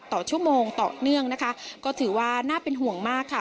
ต่อชั่วโมงต่อเนื่องนะคะก็ถือว่าน่าเป็นห่วงมากค่ะ